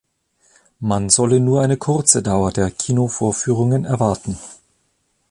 Man solle nur eine kurze Dauer der Kinovorführungen erwarten.